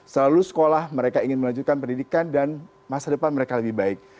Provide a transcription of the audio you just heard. selalu sekolah mereka ingin melanjutkan pendidikan dan masa depan mereka lebih baik